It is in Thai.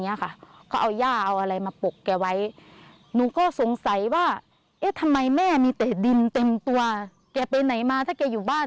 ค่ะก็เอาย่าเอาอะไรมาปกแกไว้หนูก็สงสัยว่าเอ๊ะทำไมแม่มีแต่ดินเต็มตัวแกไปไหนมาถ้าแกอยู่บ้าน